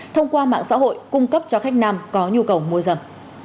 thông qua mạng xã hội cung cấp cho khách nam có nhu cầu môi dâm